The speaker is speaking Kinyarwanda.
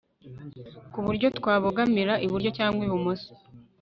ku buryo twabogamira iburyo cyangwa ibumoso